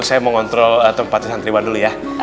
saya mau kontrol tempatnya santriwan dulu ya